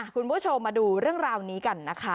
คุณผู้ชมมาดูเรื่องราวนี้กันนะคะ